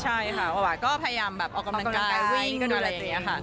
ใช่ค่ะภาวะก็พยายามแบบออกกำลังกายวิ่งอะไรอย่างนี้ค่ะ